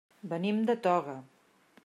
Venim de Toga.